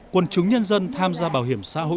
quần chúng nhân dân tham gia bảo hiểm xã hội